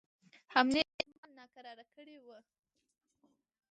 حملې احتمال ناکراره کړي وه.